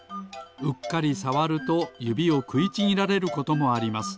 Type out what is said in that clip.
うっかりさわるとゆびをくいちぎられることもあります。